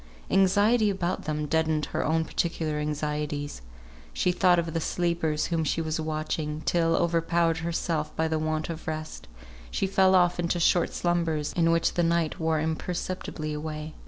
Anxiety about them deadened her own peculiar anxieties. She thought of the sleepers whom she was watching, till overpowered herself by the want of rest, she fell off into short slumbers in which the night wore imperceptibly away.